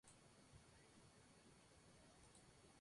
Estas enmiendas fueron criticadas por Amnistía Internacional.